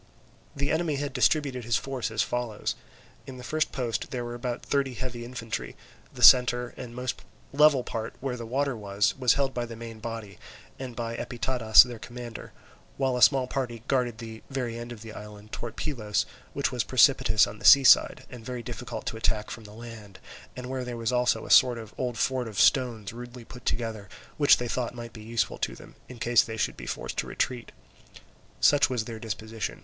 The enemy had distributed his force as follows: In this first post there were about thirty heavy infantry; the centre and most level part, where the water was, was held by the main body, and by Epitadas their commander; while a small party guarded the very end of the island, towards Pylos, which was precipitous on the sea side and very difficult to attack from the land, and where there was also a sort of old fort of stones rudely put together, which they thought might be useful to them, in case they should be forced to retreat. Such was their disposition.